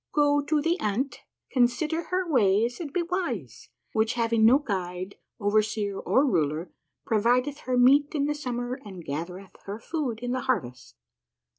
" Go to the ant ; consider her ways, and be wise, which, having no guide, overseer, or ruler, provideth her meat in the summer and gathereth her food in the harvest."